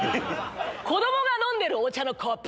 子供が飲んでるお茶のコップ